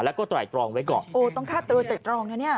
แล้วก็ไตรตรองไว้ก่อนโอ้ต้องฆ่าโดยไตรตรองนะเนี่ย